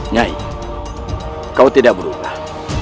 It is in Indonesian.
nyai kau tidak berubah